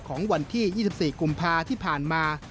ของวันที่๒๔กุมภาที่ผ่านมา